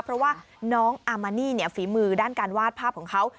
เพราะว่าน้องอามานี่ฝีมือด้านการวาดภาพของเขา